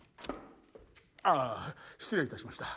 ああ失礼いたしました。